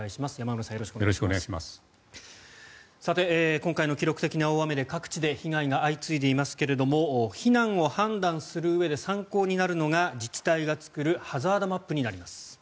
今回の記録的な大雨で各地で被害が相次いでいますが避難を判断するうえで参考になるのが自治体が作るハザードマップになります。